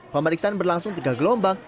pemeriksaan berlangsung tiga gelombang